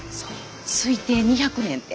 推定２００年って。